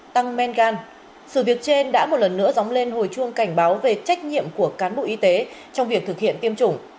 tăng men gan sự việc trên đã một lần nữa dóng lên hồi chuông cảnh báo về trách nhiệm của cán bộ y tế trong việc thực hiện tiêm chủng